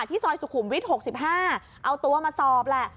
ซอยสุขุมวิทย์๖๕เอาตัวมาสอบแหละ